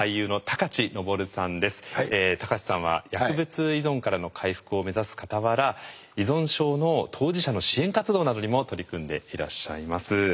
高知さんは薬物依存からの回復を目指すかたわら依存症の当事者の支援活動などにも取り組んでいらっしゃいます。